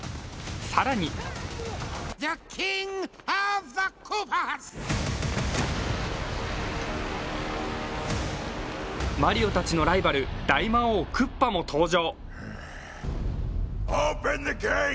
更にマリオたちのライバル、大魔王・クッパも登場。